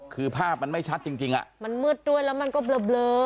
คือภาพมันไม่ชัดจริงอ่ะมันมืดด้วยแล้วมันก็เบลอ